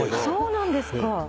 そうなんですか。